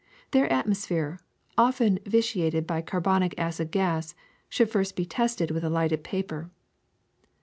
Their atmos phere, often vitiated by carbonic acid gas, should first be tested with a lighted paper.